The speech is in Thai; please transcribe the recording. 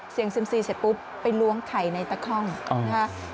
เสียงเซียมซีเสร็จปุ๊บไปล้วงไข่ในตะค้องเออ